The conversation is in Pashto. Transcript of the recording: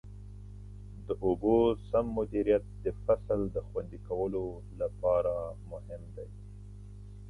د اوبو سم مدیریت د فصل د خوندي کولو لپاره مهم دی.